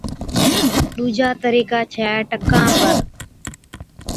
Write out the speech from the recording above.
ڏوجا طريقا ڇَي ٽڪان پر